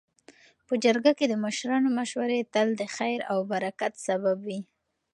. په جرګه کي د مشرانو مشورې تل د خیر او برکت سبب وي.